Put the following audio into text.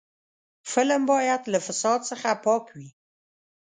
فلم باید له فساد څخه پاک وي